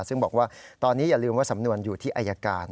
ซึ่งบอกว่าตอนนี้อย่าลืมว่าสำนวนอยู่ที่อายการ